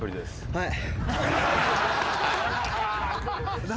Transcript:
はい。